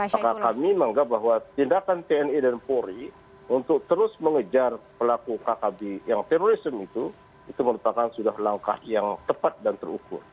mereka menganggap bahwa tindakan pni dan pori untuk terus mengejar pelaku kkb yang teroris itu itu merupakan sudah langkah yang tepat dan terukur